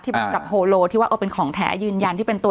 เหมือนกับโฮโลที่ว่าเป็นของแท้ยืนยันที่เป็นตัว